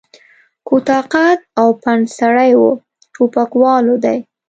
کوتاه قد او پنډ سړی و، ټوپکوالو دی.